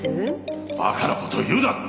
バカな事を言うな！